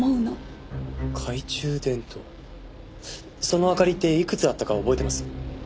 その明かりっていくつあったか覚えてます？